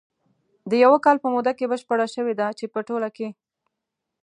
د یوه کال په موده کې بشپره شوې ده، چې په ټوله کې